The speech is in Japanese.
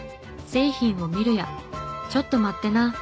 製品を見るや「ちょっと待ってな」。